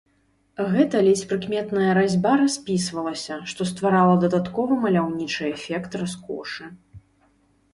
Гэта ледзь прыкметная разьба распісвалася, што стварала дадатковы маляўнічы эфект раскошы.